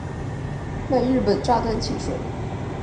目前在浅草寺等日本著名观光胜地仍可见到贩卖弹珠汽水。